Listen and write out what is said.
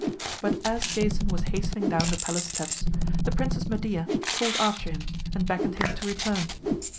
But as Jason was hastening down the palace steps, the Princess Medea called after him and beckoned him to return.